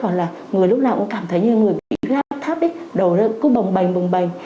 hoặc là người lúc nào cũng cảm thấy như người bị rác tháp đầu cứ bồng bềnh bồng bềnh